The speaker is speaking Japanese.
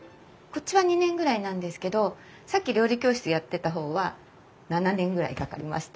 こっちは２年ぐらいなんですけどさっき料理教室やってた方は７年ぐらいかかりました。